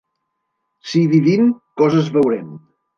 Si vivim, coses veurem.